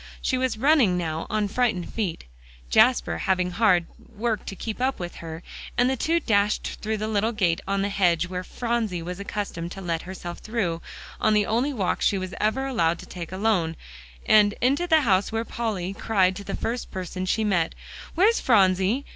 She was running now on frightened feet, Jasper having hard work to keep up with her, and the two dashed through the little gate in the hedge where Phronsie was accustomed to let herself through on the only walk she was ever allowed to take alone, and into the house where Polly cried to the first person she met, "Where's Phronsie?"